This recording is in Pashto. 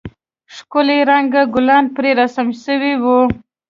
ښکلي رنگه گلان پرې رسم سوي وو.